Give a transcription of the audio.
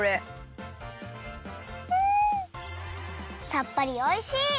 さっぱりおいしい！